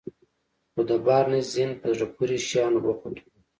خو د بارنس ذهن په زړه پورې شيانو بوخت و.